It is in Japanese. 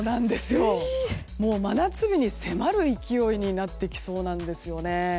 もう真夏日に迫る勢いになってきそうなんです。